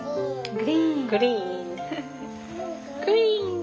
グリーン。